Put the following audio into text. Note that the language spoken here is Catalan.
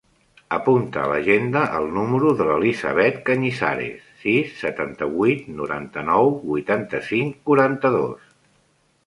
Apunta a l'agenda el número de l'Elisabeth Cañizares: sis, setanta-vuit, noranta-nou, vuitanta-cinc, quaranta-dos.